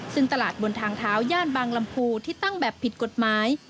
ซึ่งตลาดบนทางเท้าย่านบางลำพูที่ตั้งแบบผิดกฎหมาย